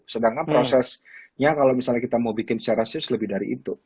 sedangkan prosesnya kalau misalnya kita mau bikin secara serius lebih dari itu